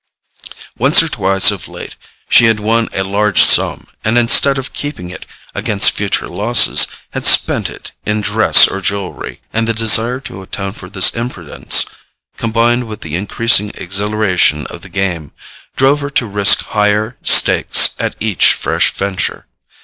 Once or twice of late she had won a large sum, and instead of keeping it against future losses, had spent it in dress or jewelry; and the desire to atone for this imprudence, combined with the increasing exhilaration of the game, drove her to risk higher stakes at each fresh venture.